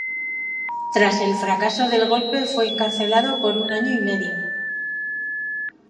Tras el fracaso del golpe fue encarcelado por un año y medio.